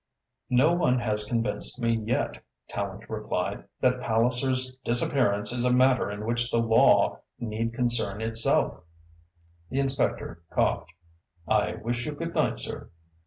"No one has convinced me yet," Tallente replied, "that Palliser's disappearance is a matter in which the law need concern itself." The inspector coughed. "I wish you good night, sir."